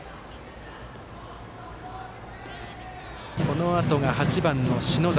このあとが、８番の篠崎。